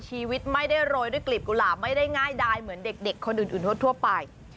ชีวิตไม่ได้โรยด้วยกลีบกุหลาบไม่ได้ง่ายดายเหมือนเด็กคนอื่นทั่วไป